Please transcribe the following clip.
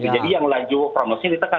jadi yang laju promosinya ditekan